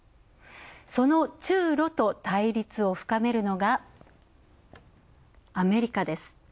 その中露と対立を深めるのがアメリカです。